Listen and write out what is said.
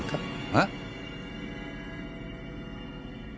えっ！？